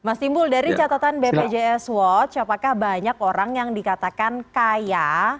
mas timbul dari catatan bpjs watch apakah banyak orang yang dikatakan kaya